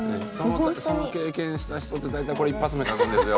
その経験した人って大体これ一発目書くんですよ。